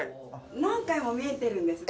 何回もみえてるんです。